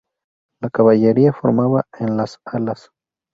La caballería formaba en las alas.